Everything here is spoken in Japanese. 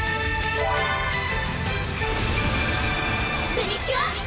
プリキュア！